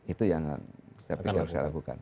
itu yang saya harus lakukan